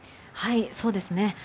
そうですね。